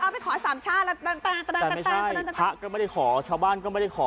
ไปขอสามชาติแล้วพระก็ไม่ได้ขอชาวบ้านก็ไม่ได้ขอ